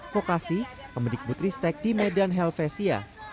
vokasi pemedik putri stek di medan helvesia